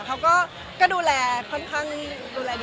เขาก็ดูแลค่อนข้างดูแลดี